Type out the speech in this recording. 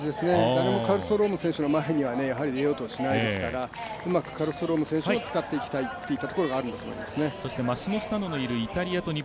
誰もカルストローム選手の前にはやはり出ようとはしないですからうまくカルストローム選手を使っていきたいところがあるんでしょうね。